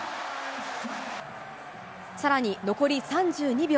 さらに、残り３２秒。